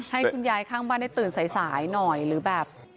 ให้คุณยายข้างบ้านได้ตื่นสายหน่อยหรือแบบ